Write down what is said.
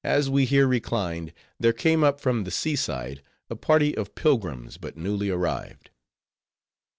As we here reclined, there came up from the sea side a party of pilgrims, but newly arrived.